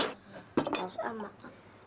harus ah makan